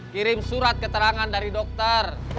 kirim surat keterangan dari dokter